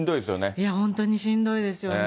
いや、本当にしんどいですよね。